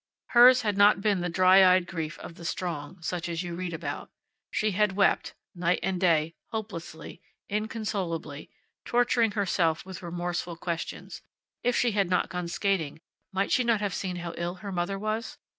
Hers had not been the dry eyed grief of the strong, such as you read about. She had wept, night and day, hopelessly, inconsolably, torturing herself with remorseful questions. If she had not gone skating, might she not have seen how ill her mother was?